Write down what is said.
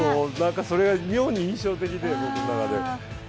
それが妙に印象的で、僕の中で。